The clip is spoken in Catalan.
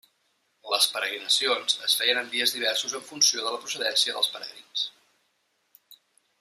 Les peregrinacions es feien en dies diversos en funció de la procedència dels peregrins.